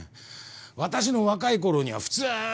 私の若い頃には普通に。